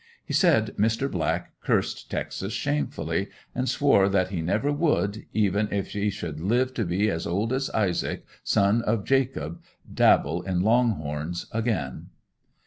He said Mr. Black cursed Texas shamefully and swore that he never would, even if he should live to be as old as Isaac, son of Jacob, dabble in long horns again.